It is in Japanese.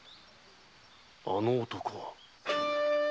あの男は